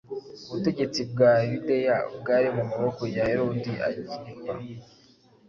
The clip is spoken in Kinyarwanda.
Ubutegetsi bwa Yudeya bwari mu maboko ya Herode Agiripa,